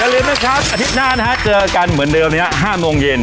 ลืมนะครับอาทิตย์หน้านะฮะเจอกันเหมือนเดิม๕โมงเย็น